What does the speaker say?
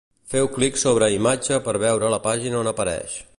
Feu clic sobre a imatge per veure la pàgina on apareix.